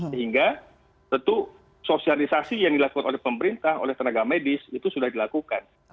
sehingga tentu sosialisasi yang dilakukan oleh pemerintah oleh tenaga medis itu sudah dilakukan